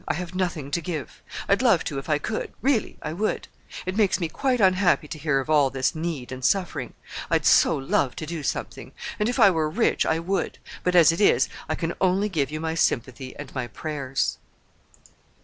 I have nothing to give. I'd love to, if I could—really I would. It makes me quite unhappy to hear of all this need and suffering. I'd so love to do something! And if I were rich I would; but as it is, I can only give you my sympathy and my prayers."